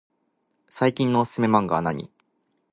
最近のおすすめマンガはなに？